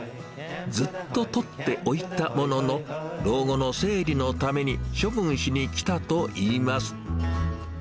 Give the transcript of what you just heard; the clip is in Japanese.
ずっととっておいたものの、老後の整理のために処分しに来たといいます。